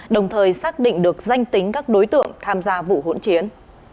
đồng thời xác định được danh tính các đối tượng tham gia vụ hỗn chiến